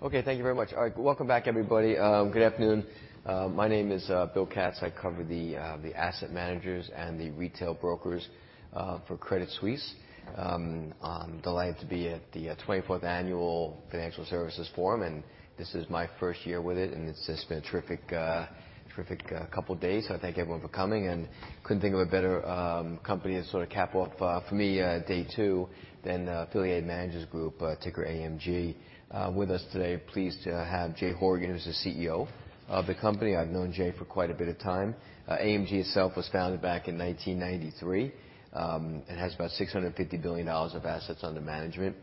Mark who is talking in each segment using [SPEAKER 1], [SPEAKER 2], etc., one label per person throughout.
[SPEAKER 1] Okay, thank you very much. All right, welcome back, everybody. Good afternoon. My name is Bill Katz. I cover the asset managers and the retail brokers for Credit Suisse. I'm delighted to be at the 24th Annual Financial Services Forum, and this is my first year with it, and it's just been a terrific couple days. I thank everyone for coming, and couldn't think of a better company to sort of cap off for me day two than Affiliated Managers Group, ticker AMG. With us today, pleased to have Jay Horgen, who's the CEO of the company. I've known Jay for quite a bit of time. AMG itself was founded back in 1993. It has about $650 billion of assets under management.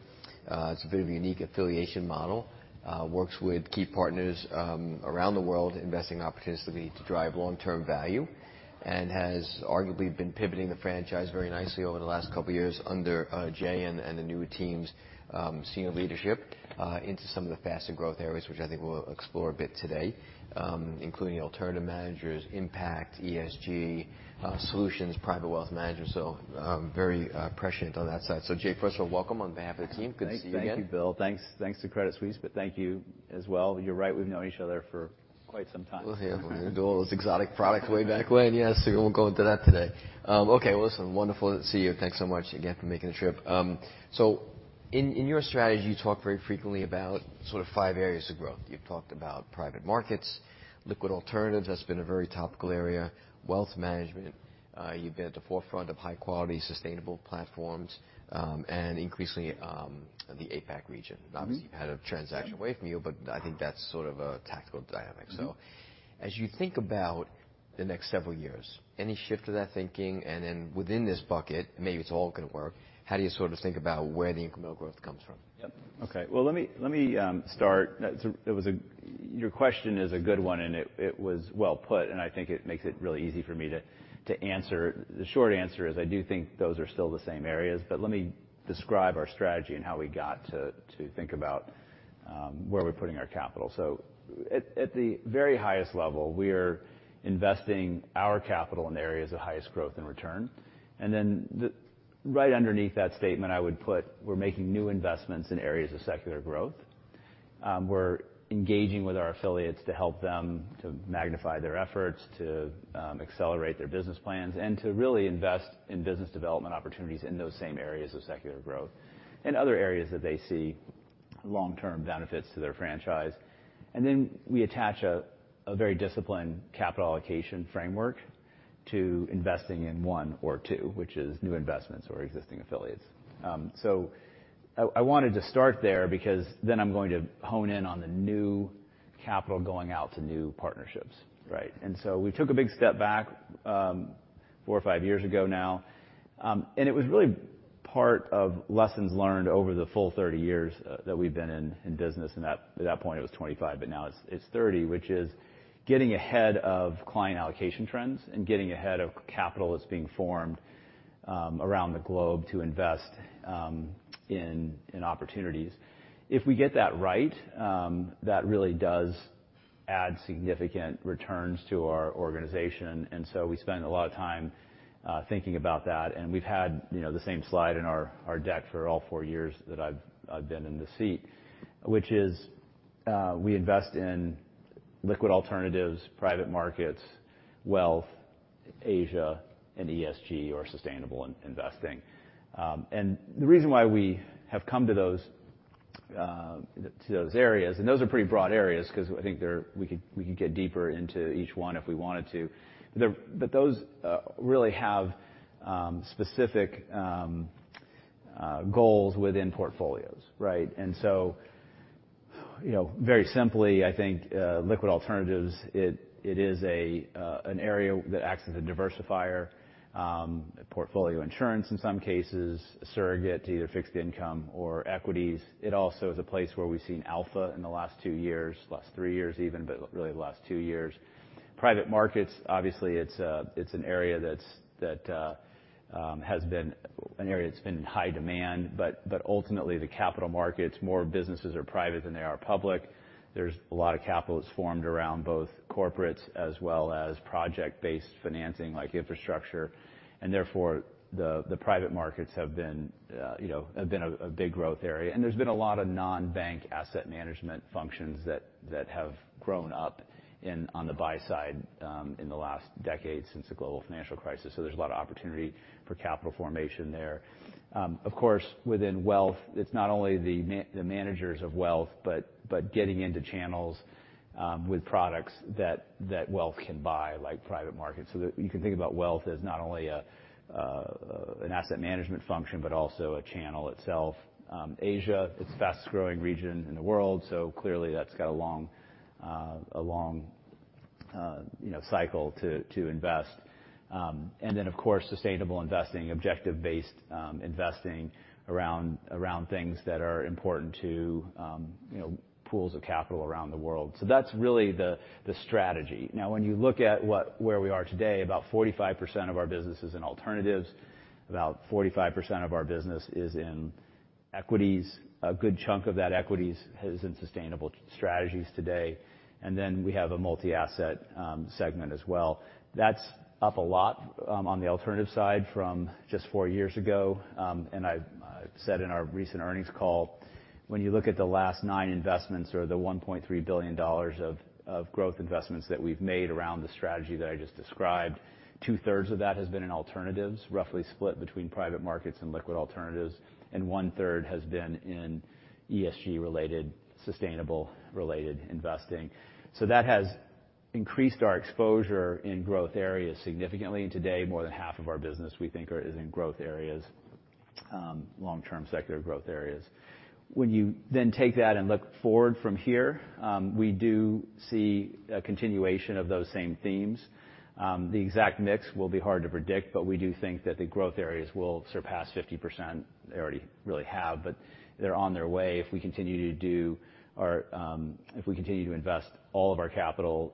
[SPEAKER 1] It's a bit of a unique affiliation model. Works with key partners around the world, investing opportunities to drive long-term value, and has arguably been pivoting the franchise very nicely over the last couple years under Jay and the new team's senior leadership into some of the faster growth areas, which I think we'll explore a bit today, including alternative managers, impact, ESG solutions, private wealth managers. Very prescient on that side. Jay, first of all, welcome on behalf of the team. Good to see you again.
[SPEAKER 2] Thank you, Bill. Thanks. Thanks to Credit Suisse. Thank you as well. You're right, we've known each other for quite some time.
[SPEAKER 1] Well, yeah. We were doing those exotic products way back when. Yes, we won't go into that today. Okay. Well, listen, wonderful to see you. Thanks so much again for making the trip. In, in your strategy, you talk very frequently about sort of five areas of growth. You've talked about private markets, liquid alternatives, that's been a very topical area, wealth management. You've been at the forefront of high-quality, sustainable platforms, and increasingly, the APAC region.
[SPEAKER 2] Mm-hmm.
[SPEAKER 1] Obviously, you've had a transaction away from you, but I think that's sort of a tactical dynamic.
[SPEAKER 2] Mm-hmm.
[SPEAKER 1] As you think about the next several years, any shift to that thinking? Then within this bucket, maybe it's all gonna work, how do you sort of think about where the incremental growth comes from?
[SPEAKER 2] Yep. Okay. Well, let me start. Your question is a good one, and it was well put, and I think it makes it really easy for me to answer. The short answer is I do think those are still the same areas, but let me describe our strategy and how we got to think about where we're putting our capital. At the very highest level, we're investing our capital in the areas of highest growth and return. Right underneath that statement, I would put we're making new investments in areas of secular growth. We're engaging with our affiliates to help them to magnify their efforts, to accelerate their business plans, and to really invest in business development opportunities in those same areas of secular growth and other areas that they see long-term benefits to their franchise. We attach a very disciplined capital allocation framework to investing in one or two, which is new investments or existing affiliates. I wanted to start there because then I'm going to hone in on the new capital going out to new partnerships, right? We took a big step back, four or five years ago now, and it was really part of lessons learned over the full 30 years that we've been in business, and at that point it was 25, but now it's 30, which is getting ahead of client allocation trends and getting ahead of capital that's being formed around the globe to invest in opportunities. If we get that right, that really does add significant returns to our organization. We spend a lot of time thinking about that, and we've had, you know, the same slide in our deck for all four years that I've been in this seat, which is, we invest in liquid alternatives, private markets, wealth, Asia, and ESG or sustainable investing. The reason why we have come to those to those areas, and those are pretty broad areas because I think we could get deeper into each one if we wanted to. Those really have specific goals within portfolios, right? You know, very simply, I think liquid alternatives, it is an area that acts as a diversifier, portfolio insurance in some cases, a surrogate to either fixed income or equities. It also is a place where we've seen alpha in the last two years, last three years even, but really the last two years. Private markets, obviously, it's an area that's been in high demand. Ultimately, the capital markets, more businesses are private than they are public. There's a lot of capital that's formed around both corporates as well as project-based financing like infrastructure. Therefore, the private markets have been, you know, a big growth area. There's been a lot of non-bank asset management functions that have grown up on the buy side in the last decade since the global financial crisis. There's a lot of opportunity for capital formation there. Of course, within wealth, it's not only the managers of wealth, but getting into channels with products that wealth can buy, like private markets. You can think about wealth as not only an asset management function, but also a channel itself. Asia, it's the fastest growing region in the world, clearly that's got a long, you know, cycle to invest. Of course, sustainable investing, objective-based, investing around things that are important to, you know, pools of capital around the world. That's really the strategy. When you look at where we are today, about 45% of our business is in alternatives, about 45% of our business is in equities, a good chunk of that equities is in sustainable strategies today. We have a multi-asset segment as well. That's up a lot on the alternative side from just four years ago. And I said in our recent earnings call, when you look at the last nine investments or the $1.3 billion of growth investments that we've made around the strategy that I just described, two-thirds of that has been in alternatives, roughly split between private markets and liquid alternatives, and one-third has been in ESG-related, sustainable-related investing. That has increased our exposure in growth areas significantly. Today, more than half of our business, we think is in growth areas, long-term secular growth areas. When you take that and look forward from here, we do see a continuation of those same themes. The exact mix will be hard to predict, but we do think that the growth areas will surpass 50%. They already really have, but they're on their way. If we continue to invest all of our capital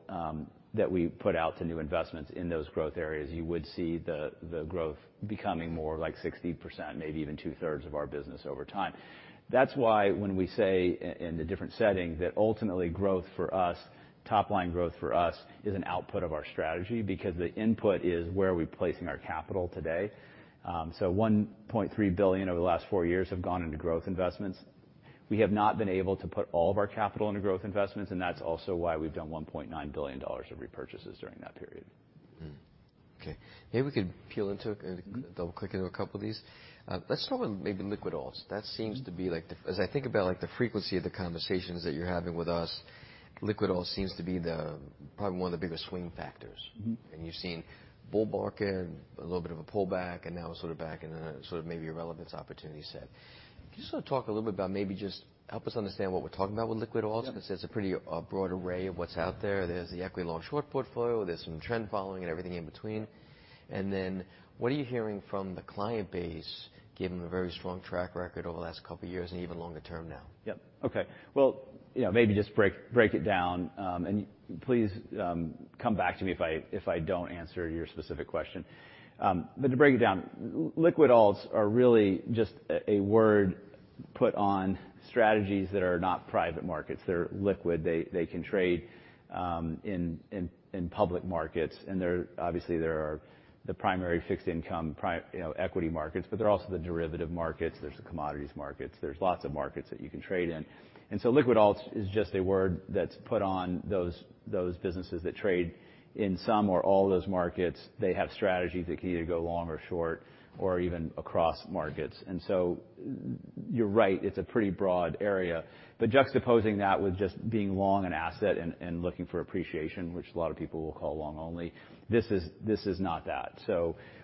[SPEAKER 2] that we put out to new investments in those growth areas, you would see the growth becoming more like 60%, maybe even two-thirds of our business over time. That's why when we say in a different setting, that ultimately growth for us, top line growth for us is an output of our strategy because the input is where are we placing our capital today. $1.3 billion over the last four years have gone into growth investments. We have not been able to put all of our capital into growth investments, and that's also why we've done $1.9 billion of repurchases during that period.
[SPEAKER 1] Okay. Maybe we could peel into it and double-click into a couple of these. Let's start with maybe liquid alts. That seems to be like the frequency of the conversations that you're having with us, liquid alts seems to be probably one of the biggest swing factors.
[SPEAKER 2] Mm-hmm.
[SPEAKER 1] You've seen bull market, a little bit of a pullback, and now sort of back in a sort of maybe relevance opportunity set. Can you just sort of talk a little bit about maybe just help us understand what we're talking about with liquid alts?
[SPEAKER 2] Yeah.
[SPEAKER 1] It's a pretty broad array of what's out there. There's the equity long-short portfolio, there's some trend following and everything in between. What are you hearing from the client base, given the very strong track record over the last couple of years and even longer term now?
[SPEAKER 2] Yep. Okay. Well, you know, maybe just break it down. Please come back to me if I don't answer your specific question. But to break it down, liquid alts are really just a word put on strategies that are not private markets. They're liquid. They can trade in public markets. Obviously there are the primary fixed income, you know, equity markets, but they're also the derivative markets. There's the commodities markets. There's lots of markets that you can trade in. Liquid alts is just a word that's put on those businesses that trade in some or all those markets. They have strategies that can either go long or short or even across markets. You're right, it's a pretty broad area. Juxtaposing that with just being long an asset and looking for appreciation, which a lot of people will call long only, this is not that.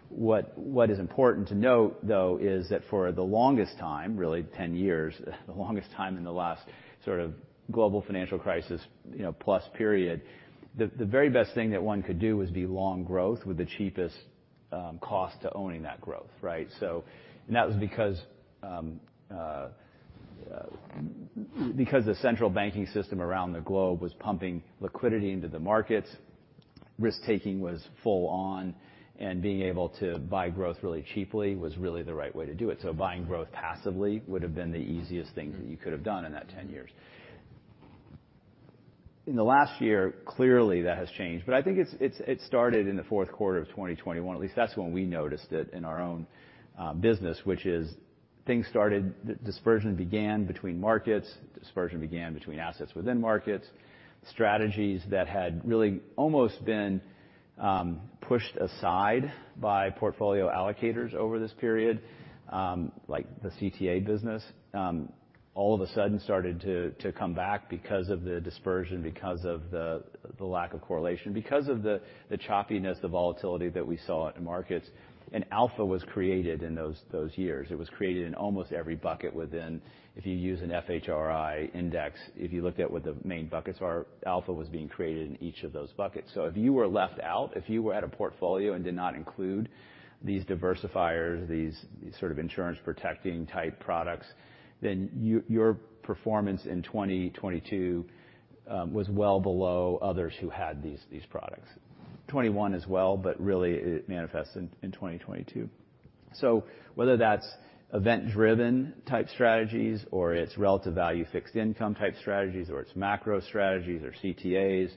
[SPEAKER 2] What is important to note, though, is that for the longest time, really 10 years, the longest time in the last sort of global financial crisis, you know, plus period, the very best thing that one could do was be long growth with the cheapest cost to owning that growth, right? That was because the central banking system around the globe was pumping liquidity into the markets. Risk-taking was full on, and being able to buy growth really cheaply was really the right way to do it. Buying growth passively would have been the easiest thing that you could have done in that 10 years. In the last year, clearly that has changed, I think it started in the fourth quarter of 2021. At least that's when we noticed it in our own business, which is dispersion began between markets. Dispersion began between assets within markets. Strategies that had really almost been pushed aside by portfolio allocators over this period, like the CTA business, all of a sudden started to come back because of the dispersion, because of the lack of correlation, because of the choppiness, the volatility that we saw in markets. Alpha was created in those years. It was created in almost every bucket within. If you use an HFRI Index, if you look at what the main buckets are, alpha was being created in each of those buckets. If you were left out, if you were at a portfolio and did not include these diversifiers, these sort of insurance protecting type products, then your performance in 2022 was well below others who had these products. 2021 as well, but really it manifested in 2022. Whether that's event-driven type strategies or it's relative value fixed income type strategies or it's macro strategies or CTAs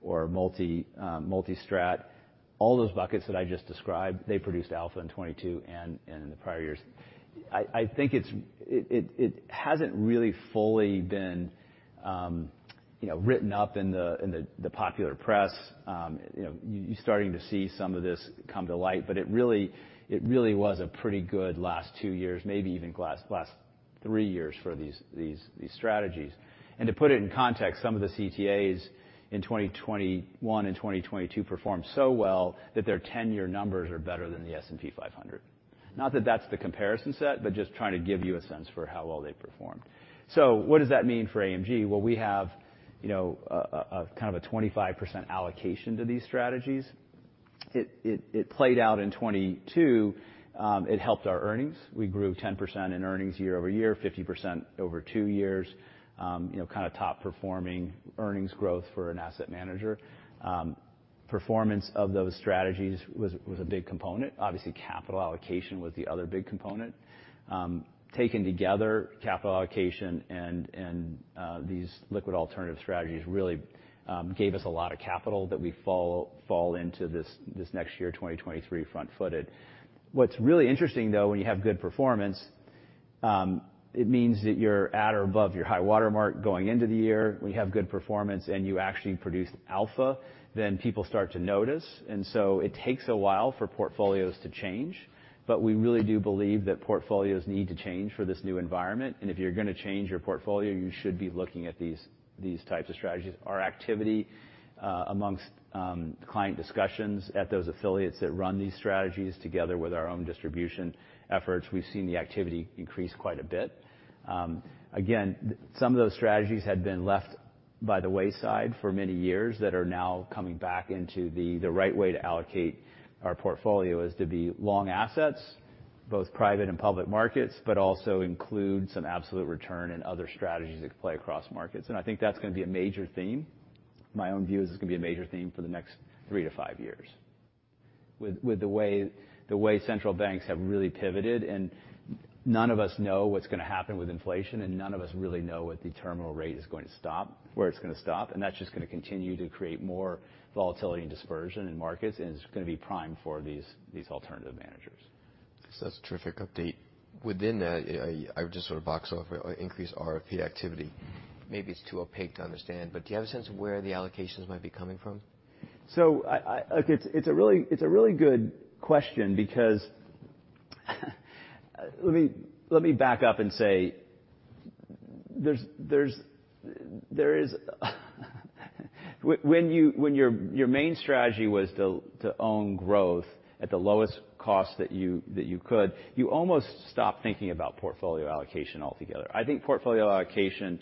[SPEAKER 2] or multi-strat, all those buckets that I just described, they produced alpha in 2022 and in the prior years. I think it hasn't really fully been, you know, written up in the, in the popular press. You know, you're starting to see some of this come to light, it really was a pretty good last two years, maybe even last three years for these strategies. To put it in context, some of the CTAs in 2021 and 2022 performed so well that their 10-year numbers are better than the S&P 500. Not that that's the comparison set, just trying to give you a sense for how well they performed. What does that mean for AMG? Well, we have, you know, a kind of a 25% allocation to these strategies. It played out in 2022. It helped our earnings. We grew 10% in earnings year-over-year, 50% over two years. You know, kind of top performing earnings growth for an asset manager. Performance of those strategies was a big component. Obviously, capital allocation was the other big component. Taken together, capital allocation and these liquid alternative strategies really gave us a lot of capital that we fall into this next year, 2023 front-footed. What's really interesting though, when you have good performance, it means that you're at or above your high water mark going into the year. When you have good performance and you actually produce alpha, then people start to notice. It takes a while for portfolios to change, but we really do believe that portfolios need to change for this new environment. If you're gonna change your portfolio, you should be looking at these types of strategies. Our activity, amongst client discussions at those affiliates that run these strategies together with our own distribution efforts, we've seen the activity increase quite a bit. Again, some of those strategies had been left by the wayside for many years that are now coming back into the right way to allocate our portfolio is to be long assets, both private and public markets, but also include some absolute return and other strategies that could play across markets. I think that's gonna be a major theme. My own view is it's gonna be a major theme for the next three to five years. With the way central banks have really pivoted, and none of us know what's gonna happen with inflation, and none of us really know what the terminal rate is going to stop, where it's gonna stop. That's just gonna continue to create more volatility and dispersion in markets, and it's gonna be prime for these alternative managers.
[SPEAKER 1] That's a terrific update. Within that, I'll just sort of box off increased RFP activity. Maybe it's too opaque to understand, but do you have a sense of where the allocations might be coming from?
[SPEAKER 2] Look, it's a really good question because let me back up and say there is. When your main strategy was to own growth at the lowest cost that you could, you almost stop thinking about portfolio allocation altogether. I think portfolio allocation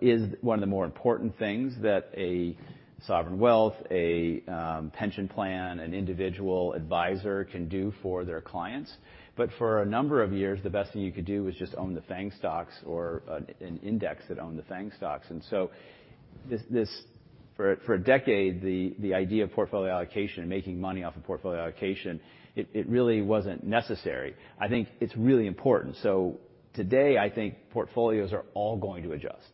[SPEAKER 2] is one of the more important things that a sovereign wealth, a pension plan, an individual advisor can do for their clients. For a number of years, the best thing you could do was just own the FAANG stocks or an index that owned the FAANG stocks. This for a decade, the idea of portfolio allocation and making money off of portfolio allocation, it really wasn't necessary. I think it's really important. Today, I think portfolios are all going to adjust,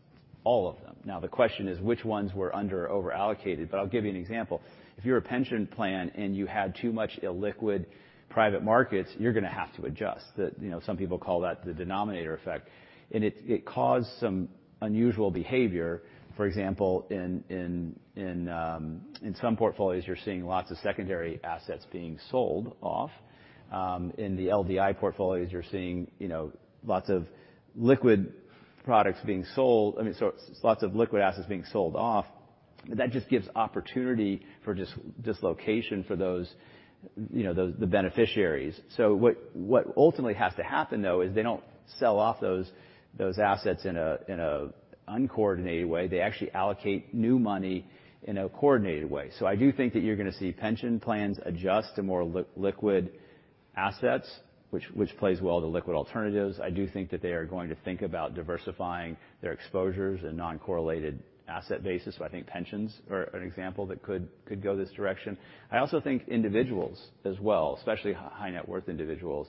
[SPEAKER 2] all of them. The question is which ones were under or over-allocated? I'll give you an example. If you're a pension plan and you had too much illiquid private markets, you're gonna have to adjust. You know, some people call that the denominator effect. It caused some unusual behavior. For example, in some portfolios, you're seeing lots of secondary assets being sold off. In the LDI portfolios, you're seeing, you know, lots of liquid products being sold. I mean, so lots of liquid assets being sold off. That just gives opportunity for dislocation for those, you know, the beneficiaries. What ultimately has to happen, though, is they don't sell off those assets in an uncoordinated way. They actually allocate new money in a coordinated way. I do think that you're gonna see pension plans adjust to more liquid assets, which plays well to liquid alternatives. I do think that they are going to think about diversifying their exposures in non-correlated asset basis. I think pensions are an example that could go this direction. I also think individuals as well, especially high net worth individuals,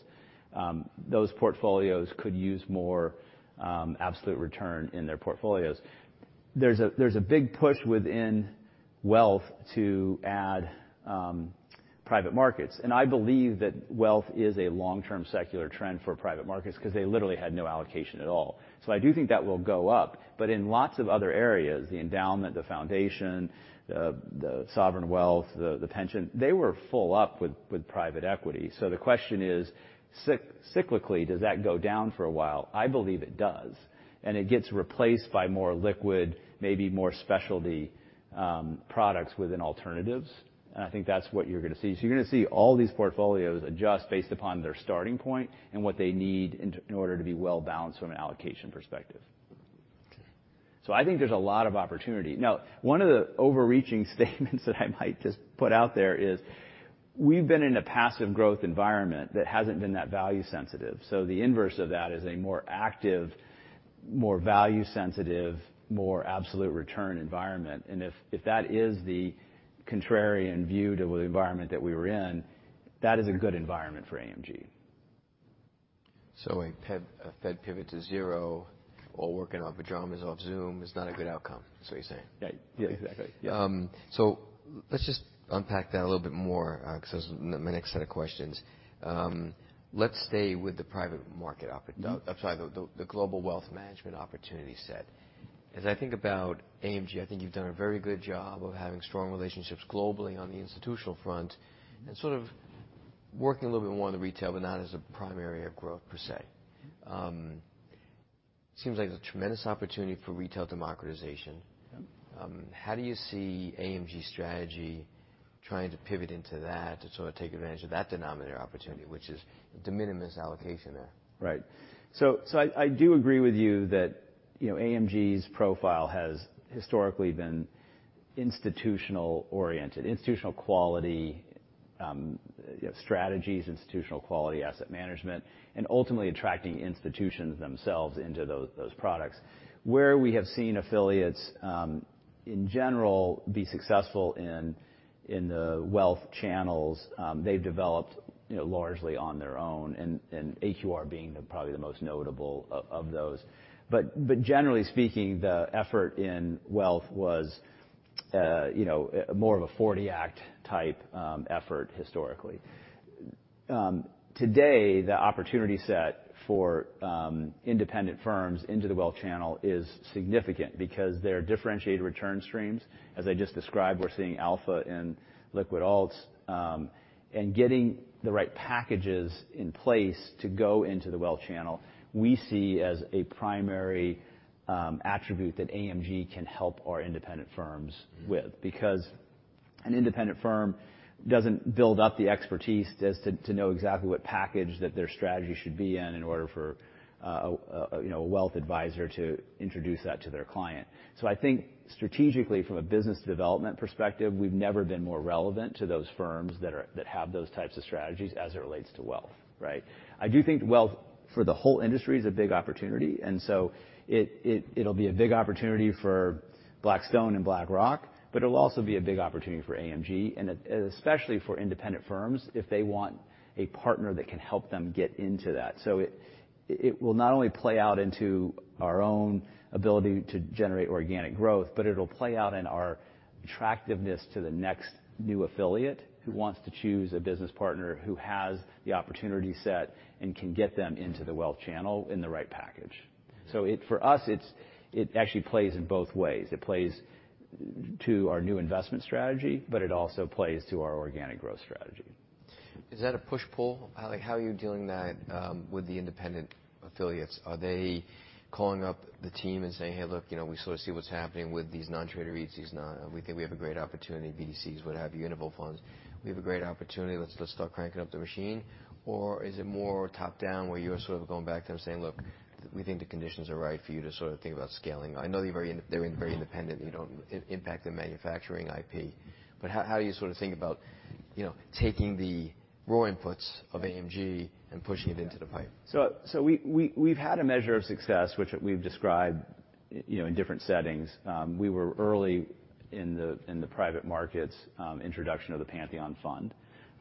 [SPEAKER 2] those portfolios could use more absolute return in their portfolios. There's a big push within wealth to add private markets. I believe that wealth is a long-term secular trend for private markets because they literally had no allocation at all. I do think that will go up. In lots of other areas, the endowment, the foundation, the sovereign wealth, the pension, they were full up with private equity. The question is, cyclically, does that go down for a while? I believe it does, and it gets replaced by more liquid, maybe more specialty products within alternatives. I think that's what you're gonna see. You're gonna see all these portfolios adjust based upon their starting point and what they need in order to be well-balanced from an allocation perspective.
[SPEAKER 1] Okay.
[SPEAKER 2] I think there's a lot of opportunity. Now, one of the overreaching statements that I might just put out there is we've been in a passive growth environment that hasn't been that value sensitive. The inverse of that is a more active, more value sensitive, more absolute return environment. If that is the contrarian view to the environment that we were in, that is a good environment for AMG.
[SPEAKER 1] A Fed pivot to zero, all working in our pajamas off Zoom is not a good outcome is what you're saying?
[SPEAKER 2] Yeah. Yeah, exactly. Yeah.
[SPEAKER 1] Let's just unpack that a little bit more, 'cause my next set of questions. Let's stay with the private market.
[SPEAKER 2] Mm-hmm.
[SPEAKER 1] I'm sorry, the global wealth management opportunity set. As I think about AMG, I think you've done a very good job of having strong relationships globally on the institutional front and sort of working a little bit more on the retail, but not as a primary area of growth per se. Seems like a tremendous opportunity for retail democratization.
[SPEAKER 2] Yep.
[SPEAKER 1] How do you see AMG strategy trying to pivot into that to sort of take advantage of that denominator opportunity, which is de minimis allocation there?
[SPEAKER 2] I do agree with you that, you know, AMG's profile has historically been institutional-oriented, institutional quality, you know, strategies, institutional quality asset management, and ultimately attracting institutions themselves into those products. Where we have seen affiliates, in general be successful in the wealth channels, they've developed, you know, largely on their own, and AQR being the probably the most notable of those. Generally speaking, the effort in wealth was, you know, more of a '40 Act type, effort historically. Today, the opportunity set for independent firms into the wealth channel is significant because they're differentiated return streams. As I just described, we're seeing alpha in liquid alts, and getting the right packages in place to go into the wealth channel, we see as a primary attribute that AMG can help our independent firms with. Because an independent firm doesn't build up the expertise just to know exactly what package that their strategy should be in in order for, you know, a wealth advisor to introduce that to their client. I think strategically from a business development perspective, we've never been more relevant to those firms that have those types of strategies as it relates to wealth, right? I do think wealth for the whole industry is a big opportunity, it'll be a big opportunity for Blackstone and BlackRock, it'll also be a big opportunity for AMG, especially for independent firms if they want a partner that can help them get into that. It will not only play out into our own ability to generate organic growth, but it'll play out in our attractiveness to the next new affiliate who wants to choose a business partner who has the opportunity set and can get them into the wealth channel in the right package. For us, it's, it actually plays in both ways. It plays to our new investment strategy, but it also plays to our organic growth strategy.
[SPEAKER 1] Is that a push-pull? Like, how are you dealing that, with the independent affiliates? Are they calling up the team and saying, "Hey, look, you know, we sort of see what's happening with these non-traded REITs, We think we have a great opportunity, BDCs, what have you, interval funds. We have a great opportunity. Let's start cranking up the machine." Or is it more top-down where you're sort of going back to them saying, "Look, we think the conditions are right for you to sort about think about scaling." I know they're they're very independent, you don't impact the manufacturing IP. How do you sort of think about, you know, taking the raw inputs of AMG and pushing it into the pipe?
[SPEAKER 2] We've had a measure of success, which we've described, you know, in different settings. We were early in the private markets introduction of the Pantheon Fund.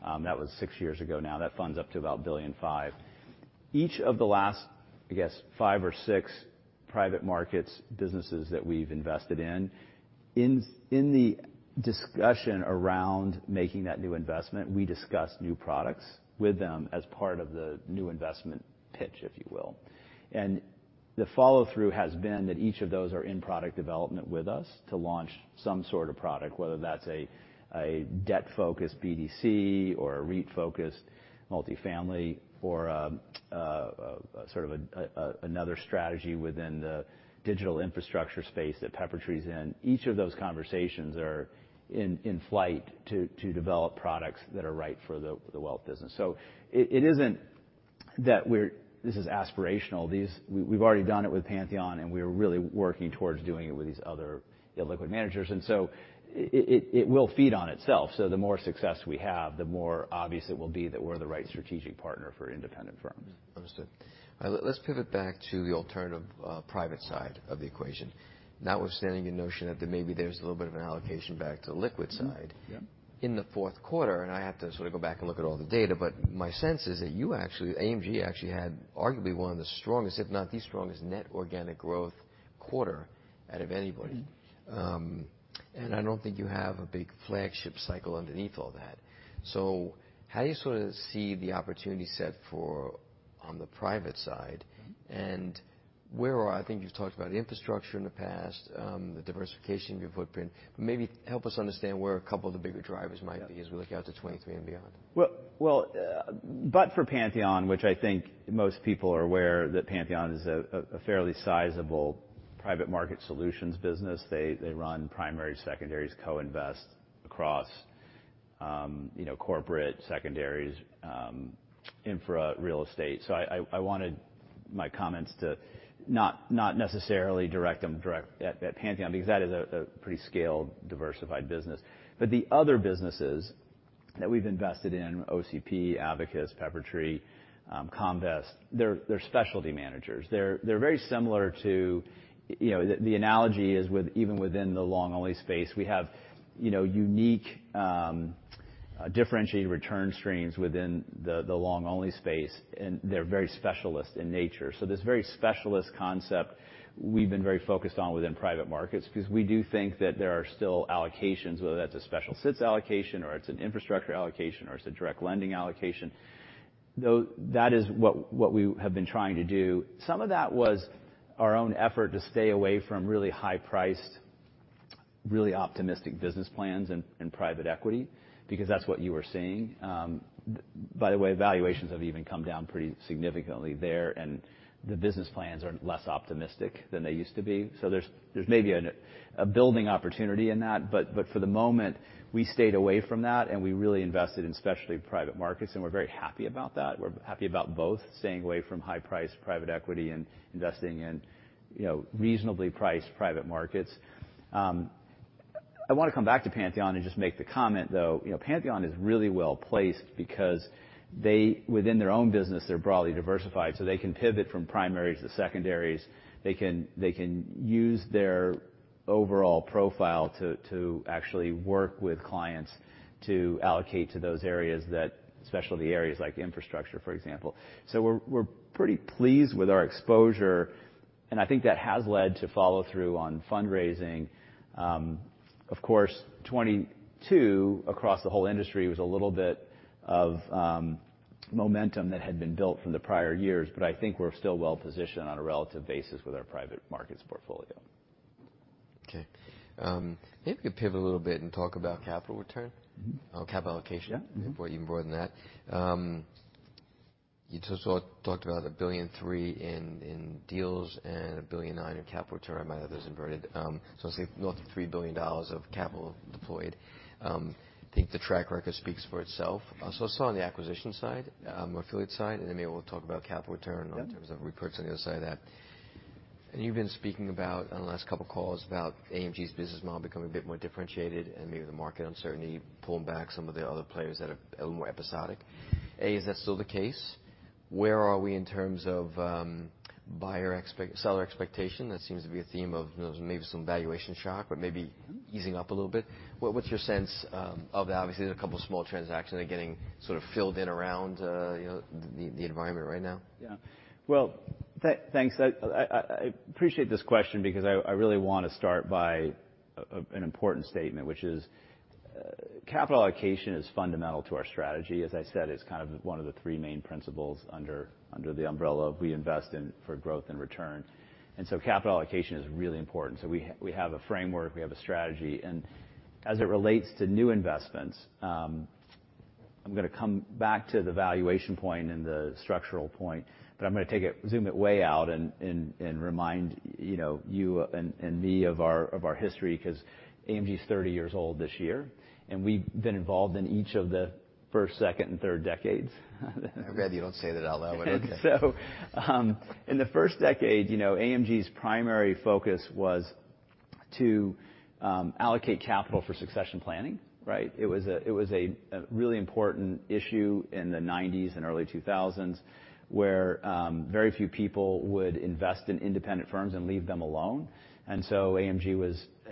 [SPEAKER 2] That was six years ago now. That fund's up to about $1.5 billion. Each of the last, I guess, five or six private markets businesses that we've invested in the discussion around making that new investment, we discuss new products with them as part of the new investment pitch, if you will. The follow-through has been that each of those are in product development with us to launch some sort of product, whether that's a debt-focused BDC or a REIT-focused multifamily or a sort of another strategy within the digital infrastructure space that Peppertree's in. Each of those conversations are in flight to develop products that are right for the wealth business. It isn't that this is aspirational. We've already done it with Pantheon, and we're really working towards doing it with these other illiquid managers. It will feed on itself. The more success we have, the more obvious it will be that we're the right strategic partner for independent firms.
[SPEAKER 1] Understood. Let's pivot back to the alternative, private side of the equation. Notwithstanding your notion that there maybe there's a little bit of an allocation back to the liquid side.
[SPEAKER 2] Mm-hmm. Yeah.
[SPEAKER 1] In the fourth quarter, I have to sort of go back and look at all the data, but my sense is that AMG actually had arguably one of the strongest, if not the strongest, net organic growth quarter out of anybody.
[SPEAKER 2] Mm-hmm.
[SPEAKER 1] I don't think you have a big flagship cycle underneath all that. How do you sort of see the opportunity set for on the private side?
[SPEAKER 2] Mm-hmm.
[SPEAKER 1] I think you've talked about infrastructure in the past, the diversification of your footprint. Maybe help us understand where a couple of the bigger drivers might be as we look out to 2023 and beyond?
[SPEAKER 2] Well, for Pantheon, which I think most people are aware that Pantheon is a fairly sizable private market solutions business. They run primary, secondaries, co-invest across, you know, corporate secondaries, infra real estate. I wanted my comments to not necessarily direct them direct at Pantheon, because that is a pretty scaled, diversified business. The other businesses that we've invested in, OCP, Abacus, Peppertree, Comvest, they're specialty managers. They're very similar to, you know, the analogy is with even within the long only space, we have, you know, unique, differentiated return streams within the long only space, they're very specialist in nature. This very specialist concept we've been very focused on within private markets, because we do think that there are still allocations, whether that's a special sits allocation or it's an infrastructure allocation or it's a direct lending allocation, though that is what we have been trying to do. Some of that was our own effort to stay away from really high priced, really optimistic business plans in private equity, because that's what you were seeing. By the way, valuations have even come down pretty significantly there, and the business plans are less optimistic than they used to be. There's maybe a building opportunity in that. For the moment, we stayed away from that and we really invested in especially private markets, and we're very happy about that. We're happy about both staying away from high-priced private equity and investing in, you know, reasonably priced private markets. I want to come back to Pantheon and just make the comment, though. You know, Pantheon is really well-placed because within their own business, they're broadly diversified, so they can pivot from primaries to secondaries. They can use their overall profile to actually work with clients to allocate to those areas that especially the areas like infrastructure, for example. We're, we're pretty pleased with our exposure, and I think that has led to follow-through on fundraising. Of course, 22 across the whole industry was a little bit of momentum that had been built from the prior years. I think we're still well-positioned on a relative basis with our private markets portfolio.
[SPEAKER 1] Maybe we could pivot a little bit and talk about capital return.
[SPEAKER 2] Mm-hmm.
[SPEAKER 1] Capital allocation.
[SPEAKER 2] Yeah.
[SPEAKER 1] or even more than that. You just talked about $1.3 billion in deals and $1.9 billion in capital return. I might have those inverted. Let's say north of $3 billion of capital deployed. I think the track record speaks for itself. I saw on the acquisition side, affiliate side, and then maybe we'll talk about capital return.
[SPEAKER 2] Yeah.
[SPEAKER 1] in terms of reports on the other side of that. You've been speaking about on the last couple of calls about AMG's business model becoming a bit more differentiated and maybe the market uncertainty, pulling back some of the other players that are a little more episodic. Is that still the case? Where are we in terms of seller expectation? That seems to be a theme of maybe some valuation shock, but maybe easing up a little bit. What's your sense of obviously there's a couple of small transactions that are getting sort of filled in around, you know, the environment right now?
[SPEAKER 2] Well, thanks. I appreciate this question because I really wanna start by an important statement, which is, capital allocation is fundamental to our strategy. As I said, it's kind of one of the three main principles under the umbrella of we invest in for growth and return. Capital allocation is really important. We have a framework, we have a strategy. As it relates to new investments, I'm gonna come back to the valuation point and the structural point, but I'm gonna zoom it way out and remind, you know, you and me of our history, 'cause AMG is 30 years old this year, and we've been involved in each of the first, second, and third decades.
[SPEAKER 1] I'm glad you don't say that out loud.
[SPEAKER 2] In the first decade, you know, AMG's primary focus was to allocate capital for succession planning, right? It was a really important issue in the 1990s and early 2000s where very few people would invest in independent firms and leave them alone. AMG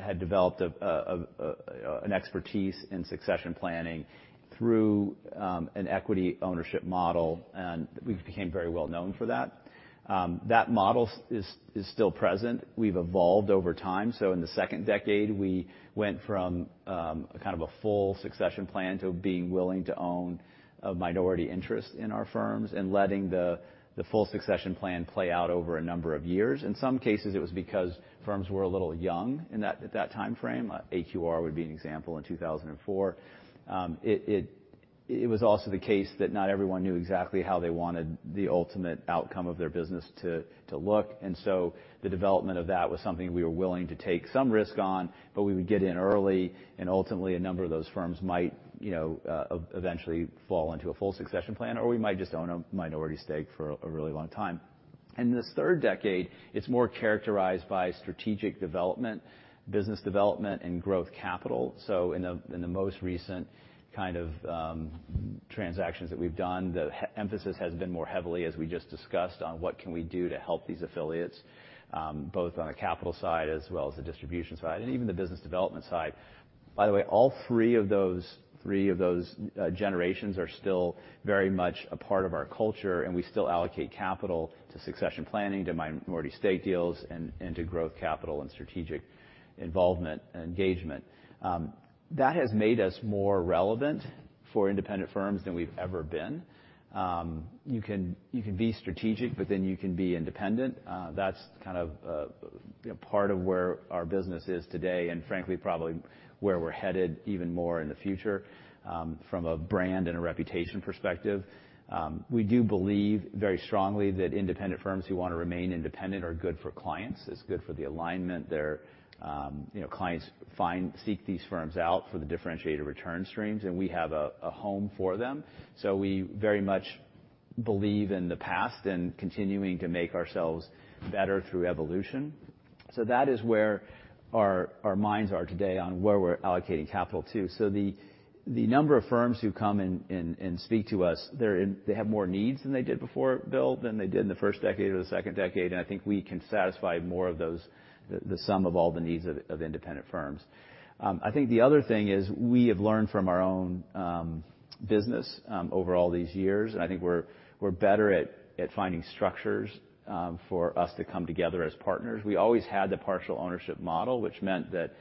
[SPEAKER 2] had developed an expertise in succession planning through an equity ownership model, and we became very well known for that. That model is still present. We've evolved over time. In the second decade, we went from a kind of a full succession plan to being willing to own a minority interest in our firms and letting the full succession plan play out over a number of years. In some cases, it was because firms were a little young at that timeframe. AQR would be an example in 2004. It was also the case that not everyone knew exactly how they wanted the ultimate outcome of their business to look. The development of that was something we were willing to take some risk on, but we would get in early, and ultimately, a number of those firms might, you know, eventually fall into a full succession plan, or we might just own a minority stake for a really long time. In this third decade, it's more characterized by strategic development, business development, and growth capital. In the most recent kind of transactions that we've done, the emphasis has been more heavily, as we just discussed, on what can we do to help these affiliates, both on the capital side as well as the distribution side, and even the business development side. By the way, all three of those generations are still very much a part of our culture, and we still allocate capital to succession planning, to minority stake deals, and to growth capital and strategic involvement and engagement. That has made us more relevant for independent firms than we've ever been. You can be strategic, but then you can be independent. That's kind of a part of where our business is today and frankly, probably where we're headed even more in the future, from a brand and a reputation perspective. We do believe very strongly that independent firms who wanna remain independent are good for clients. It's good for the alignment. Their, you know, clients seek these firms out for the differentiated return streams, and we have a home for them. We very much believe in the past and continuing to make ourselves better through evolution. That is where our minds are today on where we're allocating capital too. The number of firms who come and speak to us, they have more needs than they did before, Bill, than they did in the first decade or the second decade. I think we can satisfy more of those, the sum of all the needs of independent firms. I think the other thing is we have learned from our own business over all these years, and I think we're better at finding structures for us to come together as partners. We always had the partial ownership model, which meant that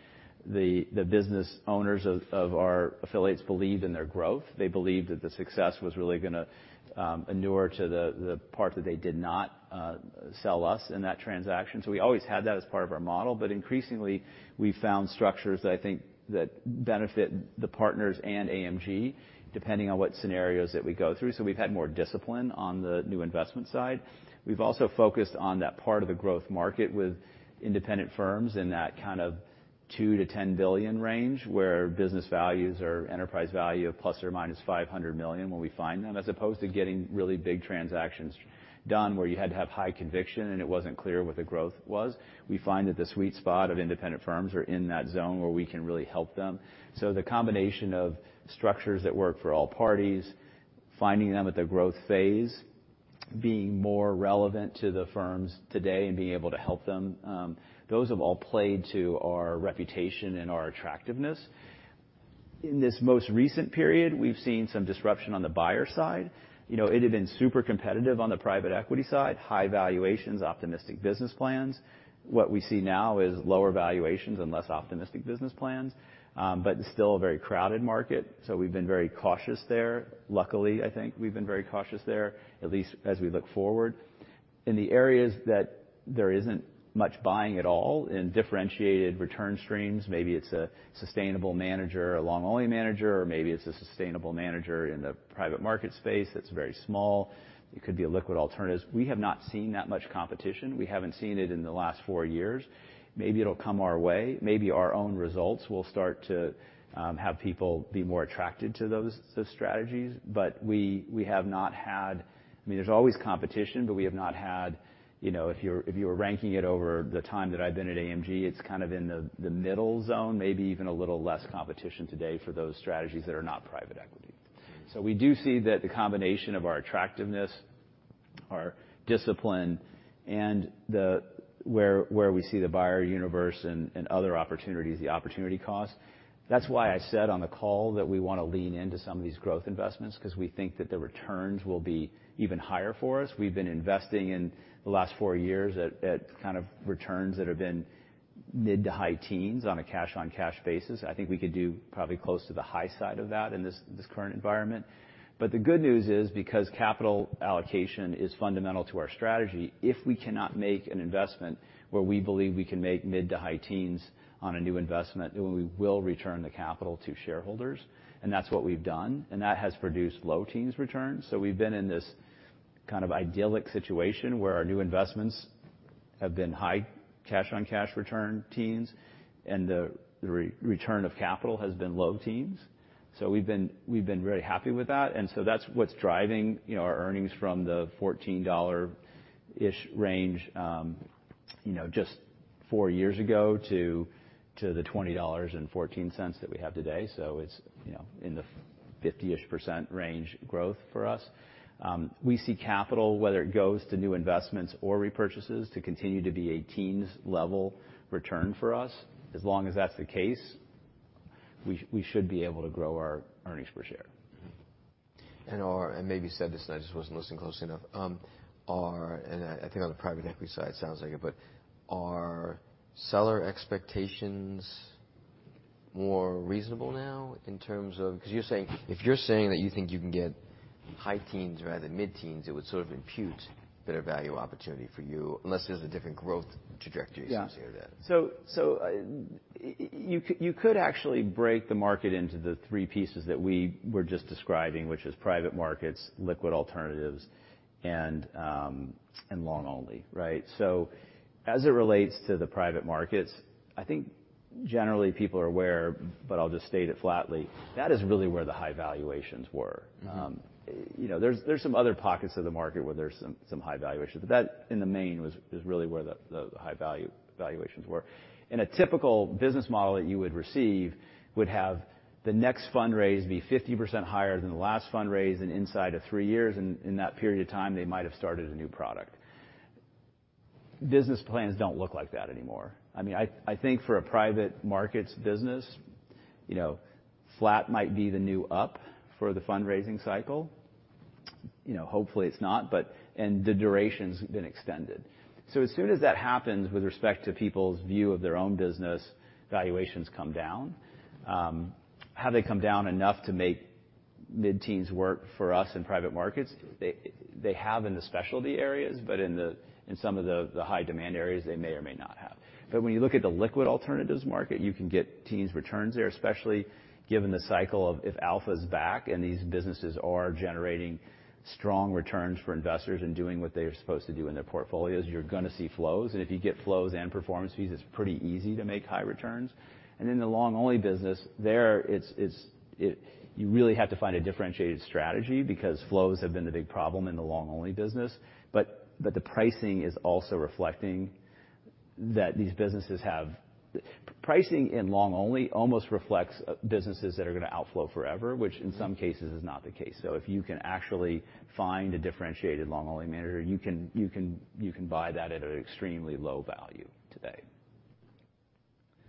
[SPEAKER 2] the business owners of our affiliates believed in their growth. They believed that the success was really gonna inure to the part that they did not sell us in that transaction. We always had that as part of our model. Increasingly, we found structures that I think that benefit the partners and AMG, depending on what scenarios that we go through. We've had more discipline on the new investment side. We've also focused on that part of the growth market with independent firms in that kind of $2 billion-$10 billion range, where business values or enterprise value of ±$500 million when we find them, as opposed to getting really big transactions done where you had to have high conviction and it wasn't clear what the growth was. We find that the sweet spot of independent firms are in that zone where we can really help them. The combination of structures that work for all parties. Finding them at their growth phase, being more relevant to the firms today and being able to help them, those have all played to our reputation and our attractiveness. In this most recent period, we've seen some disruption on the buyer side. You know, it had been super competitive on the private equity side, high valuations, optimistic business plans. What we see now is lower valuations and less optimistic business plans. It's still a very crowded market, we've been very cautious there. Luckily, I think we've been very cautious there, at least as we look forward. In the areas that there isn't much buying at all in differentiated return streams, maybe it's a sustainable manager or a long-only manager, or maybe it's a sustainable manager in the private market space that's very small. It could be a liquid alternatives. We have not seen that much competition. We haven't seen it in the last four years. Maybe it'll come our way. Maybe our own results will start to have people be more attracted to those strategies. We have not had... I mean, there's always competition, we have not had, you know, if you were ranking it over the time that I've been at AMG, it's kind of in the middle zone, maybe even a little less competition today for those strategies that are not private equity. We do see that the combination of our attractiveness, our discipline and where we see the buyer universe and other opportunities, the opportunity cost. That's why I said on the call that we wanna lean into some of these growth investments because we think that the returns will be even higher for us. We've been investing in the last four years at kind of returns that have been mid to high teens on a cash-on-cash basis. I think we could do probably close to the high side of that in this current environment. The good news is, because capital allocation is fundamental to our strategy, if we cannot make an investment where we believe we can make mid-to-high teens on a new investment, then we will return the capital to shareholders. That's what we've done, and that has produced low teens returns. We've been in this kind of idyllic situation where our new investments have been high cash-on-cash return teens, and the re-return of capital has been low teens. We've been very happy with that's what's driving, you know, our earnings from the $14-ish range, you know, just four years ago to the $20.14 that we have today. It's, you know, in the 50%-ish range growth for us. We see capital, whether it goes to new investments or repurchases, to continue to be a teens level return for us. As long as that's the case, we should be able to grow our earnings per share.
[SPEAKER 1] Maybe you said this, and I just wasn't listening closely enough. I think on the private equity side, it sounds like it, but are seller expectations more reasonable now in terms of? If you're saying that you think you can get high teens rather than mid-teens, it would sort of impute better value opportunity for you unless there's a different growth trajectory associated with that.
[SPEAKER 2] Yeah. You could actually break the market into the three pieces that we were just describing, which is private markets, liquid alternatives, and long only, right? As it relates to the private markets, I think generally people are aware, but I'll just state it flatly, that is really where the high valuations were.
[SPEAKER 1] Mm-hmm.
[SPEAKER 2] You know, there's some other pockets of the market where there's some high valuations, but that, in the main, is really where the valuations were. In a typical business model that you would receive would have the next fundraise be 50% higher than the last fundraise and inside of three years, in that period of time, they might have started a new product. Business plans don't look like that anymore. I mean, I think for a private markets business, you know, flat might be the new up for the fundraising cycle. You know, hopefully it's not, but. The duration's been extended. As soon as that happens with respect to people's view of their own business, valuations come down. Have they come down enough to make mid-teens work for us in private markets? They have in the specialty areas, in some of the high demand areas, they may or may not have. When you look at the liquid alternatives market, you can get teens returns there, especially given the cycle of if alpha's back and these businesses are generating strong returns for investors and doing what they're supposed to do in their portfolios, you're gonna see flows. If you get flows and performance fees, it's pretty easy to make high returns. In the long only business there, it's, you really have to find a differentiated strategy because flows have been the big problem in the long only business. The pricing is also reflecting that these businesses have... Pricing in long only almost reflects businesses that are gonna outflow forever, which in some cases is not the case. If you can actually find a differentiated long only manager, you can buy that at an extremely low value today.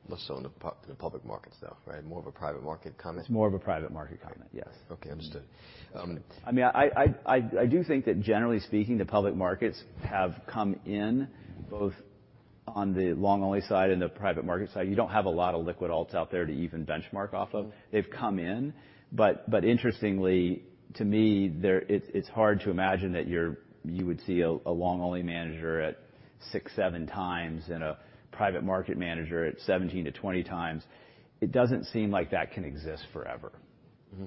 [SPEAKER 1] Less so in the public markets, though, right? More of a private market comment.
[SPEAKER 2] It's more of a private market comment, yes.
[SPEAKER 1] Okay, understood.
[SPEAKER 2] I mean, I do think that generally speaking, the public markets have come in both on the long only side and the private market side. You don't have a lot of liquid alts out there to even benchmark off of. They've come in, interestingly to me, it's hard to imagine that you would see a long only manager at six to seven times and a private market manager at 17 to 20 times. It doesn't seem like that can exist forever.
[SPEAKER 1] Mm-hmm.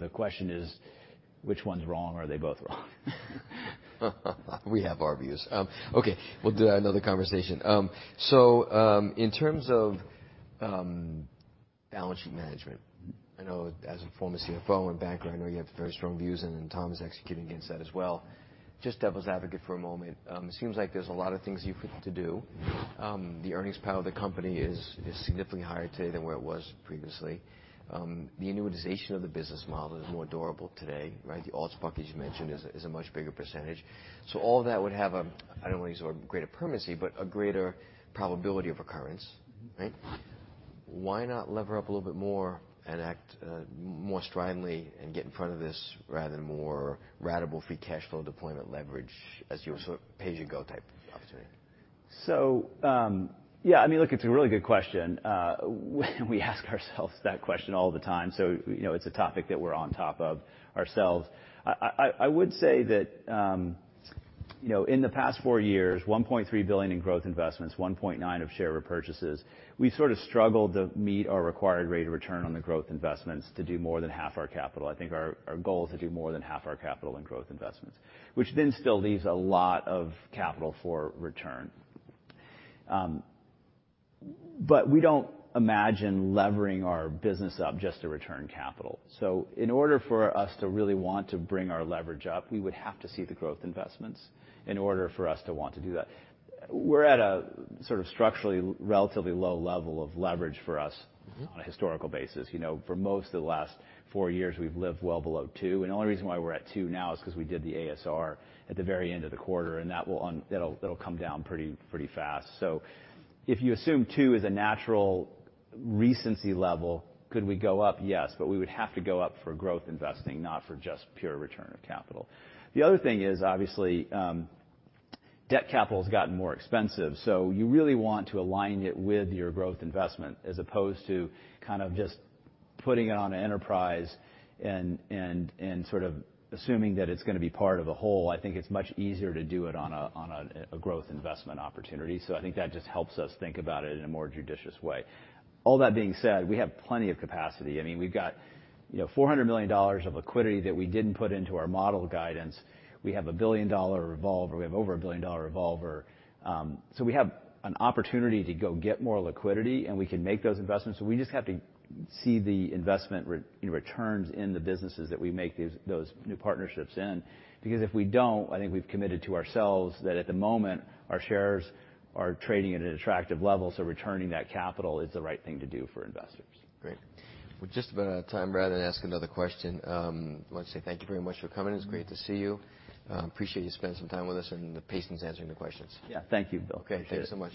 [SPEAKER 2] The question is, which one's wrong? Are they both wrong?
[SPEAKER 1] We have our views. Okay. We'll do another conversation. In terms of balance sheet management. I know as a former CFO and banker, I know you have very strong views and Tom is executing against that as well. Just devil's advocate for a moment, it seems like there's a lot of things you could do. The earnings power of the company is significantly higher today than where it was previously. The annualization of the business model is more durable today, right? The alt package you mentioned is a much bigger percentage. All that would have a, I don't wanna use the word greater permanency, but a greater probability of occurrence, right? Why not lever up a little bit more and act more stridently and get in front of this rather than more ratable free cash flow deployment leverage as your sort of pay-as-you-go type opportunity?
[SPEAKER 2] Yeah, I mean, look, it's a really good question. We ask ourselves that question all the time, you know, it's a topic that we're on top of ourselves. I would say that, you know, in the past four years, $1.3 billion in growth investments, $1.9 of share repurchases. We sort of struggled to meet our required rate of return on the growth investments to do more than half our capital. I think our goal is to do more than half our capital in growth investments, which then still leaves a lot of capital for return. We don't imagine levering our business up just to return capital. In order for us to really want to bring our leverage up, we would have to see the growth investments in order for us to want to do that. We're at a sort of structurally relatively low level of leverage for us.
[SPEAKER 1] Mm-hmm.
[SPEAKER 2] On a historical basis. You know, for most of the last four years, we've lived well below two, and the only reason why we're at two now is 'cause we did the ASR at the very end of the quarter, and that'll come down pretty fast. If you assume two is a natural recency level, could we go up? Yes, but we would have to go up for growth investing, not for just pure return of capital. The other thing is obviously, debt capital's gotten more expensive, so you really want to align it with your growth investment as opposed to kind of just putting it on an enterprise and sort of assuming that it's gonna be part of a whole. I think it's much easier to do it on a growth investment opportunity. I think that just helps us think about it in a more judicious way. All that being said, we have plenty of capacity. I mean, we've got, you know, $400 million of liquidity that we didn't put into our model guidance. We have a $1 billion revolver. We have over a $1 billion revolver. We have an opportunity to go get more liquidity, and we can make those investments, so we just have to see the investment, you know, returns in the businesses that we make these, those new partnerships in. If we don't, I think we've committed to ourselves that at the moment, our shares are trading at an attractive level, so returning that capital is the right thing to do for investors.
[SPEAKER 1] Great. We're just about out of time. Rather than ask another question, I want to say thank you very much for coming.
[SPEAKER 2] Great.
[SPEAKER 1] It's great to see you. Appreciate you spending some time with us and the patience answering the questions.
[SPEAKER 2] Yeah. Thank you, Bill.
[SPEAKER 1] Okay. Thank you so much.